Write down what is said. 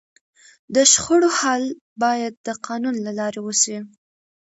د شخړو حل باید د قانون له لارې وسي.